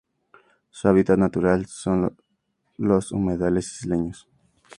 Su hábitat natural son los humedales isleños.